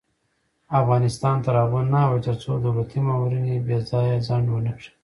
افغانستان تر هغو نه ابادیږي، ترڅو دولتي مامورین بې ځایه ځنډ ونه کړي.